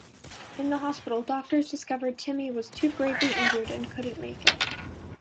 In the hospital doctors discovered Timmy was too gravely injured and couldn't make it.